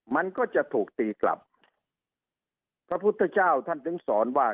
มันก็จะถูกตีกลับพระพุทธเจ้าท่านถึงสอนว่า